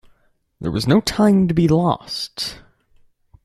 There was no time to be lost.